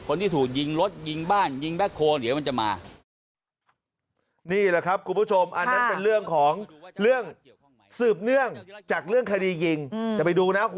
คนที่ถูกยิงรถยิงบ้านยิงแบ็คโฮเดี๋ยวมันจะมา